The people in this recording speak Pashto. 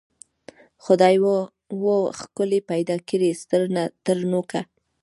خدای وو ښکلی پیدا کړی سر تر نوکه